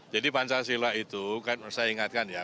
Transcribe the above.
jadi pancasila itu saya ingatkan ya